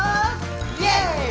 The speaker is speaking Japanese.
「イェーイ！」